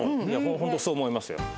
ホントそう思いますよ。